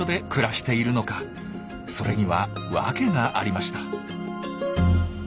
それにはわけがありました。